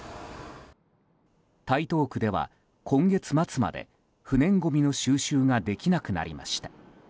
台東区では今月末まで不燃ごみの収集ができなくなりました。